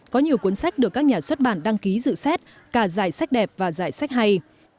có nhiều cuốn sách được các nhà xuất bản đăng ký dự xét cả giải sách đẹp và giải sách hay